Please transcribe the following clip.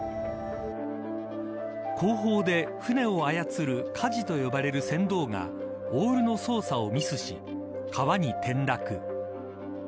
後方で、舟を操るかじと呼ばれる船頭がオールの操作をミスし川に転落。